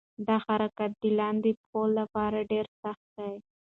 دا حرکت د لاندې پښو لپاره ډېر سخت دی.